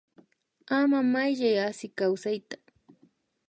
Ama Mayllay Asi kawsayta